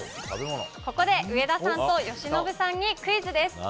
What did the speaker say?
ここで上田さんと由伸さんにクイズです。